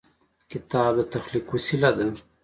کتاب د تخلیق وسیله ده.